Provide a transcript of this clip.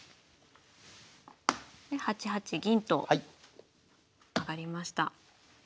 で８八銀と上がりました。